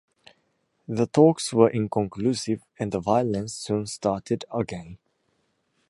The talks were inconclusive and the violence soon started again.